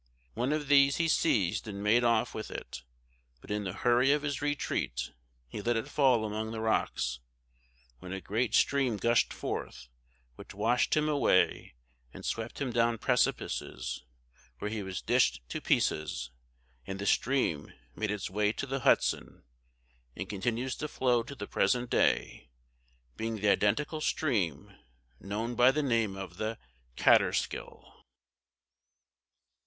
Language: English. One of these he seized and made off with it, but in the hurry of his retreat he let it fall among the rocks, when a great stream gushed forth, which washed him away and swept him down precipices, where he was dished to pieces, and the stream made its way to the Hudson, and continues to flow to the present day, being the identical stream known by the name of the Kaaterskill.